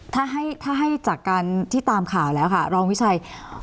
ถ้าให้จากการที่ตามข่าวแล้วค่ะรองวิชัย